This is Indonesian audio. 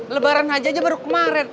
lebaran haji aja baru kemaren